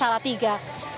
dan seperti inilah kondisinya